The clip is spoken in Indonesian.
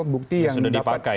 bukti yang sudah dipakai